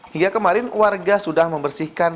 hingga kemarin warga sudah membersihkan